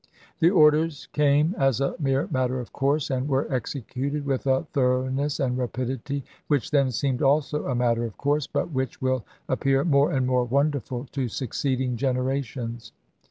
The orders came as a mere matter of course, and were executed with a thoroughness and rapidity which then seemed also a matter of course, but which will appear more and more wonderful to succeeding generations.